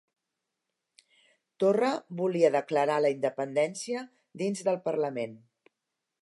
Torra volia declarar la independència dins del Parlament.